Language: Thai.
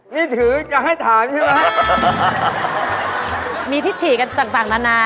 นี่ถืออยากให้ถามใช่ไหม